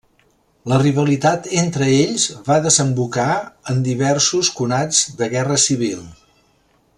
La rivalitat entre ells va desembocar en diversos conats de guerra civil.